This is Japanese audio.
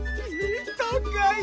たかい！